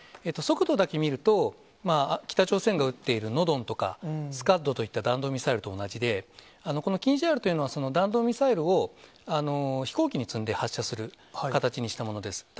速度だけ見ると、北朝鮮が撃っているノドンとか、スカッドといった弾道ミサイルと同じで、このキンジャールというのは、この弾道ミサイルを飛行機に積んで発射する形にしたものです。